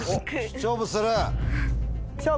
勝負する。